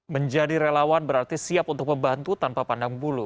menjadi relawan berarti siap untuk membantu tanpa pandang bulu